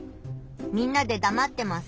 みんなでだまってます。